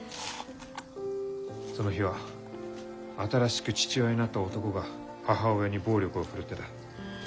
その日は新しく父親になった男が母親に暴力を振るってた。